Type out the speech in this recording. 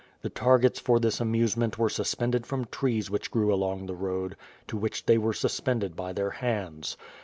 The targets for this amusement were sus pended from trees which grew along the road, to which they were suspended by their hands.